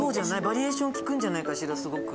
バリエーション利くんじゃないかしらすごく。